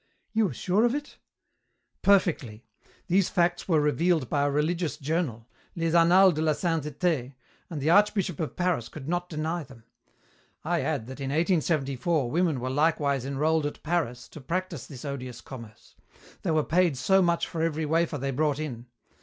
"You are sure of it?" "Perfectly. These facts were revealed by a religious journal, Les annales de la sainteté, and the archbishop of Paris could not deny them. I add that in 1874 women were likewise enrolled at Paris to practise this odious commerce. They were paid so much for every wafer they brought in.